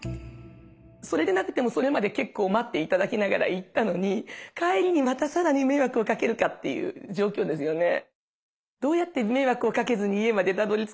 それでなくてもそれまで結構待っていただきながら行ったのに帰りにまたさらに迷惑をかけるかっていう状況ですよね。